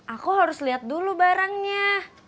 aku harus lihat dulu barangnya